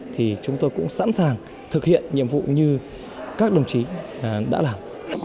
thì chúng tôi cũng sẵn sàng thực hiện nhiệm vụ như các đồng chí đã làm